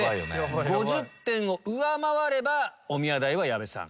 ５０点を上回ればおみや代は矢部さん。